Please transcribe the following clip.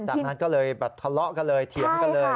จากนั้นก็เลยแบบทะเลาะกันเลยเถียงกันเลย